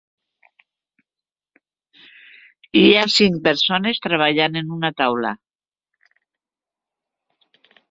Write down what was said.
Hi ha cinc persones treballant en una taula.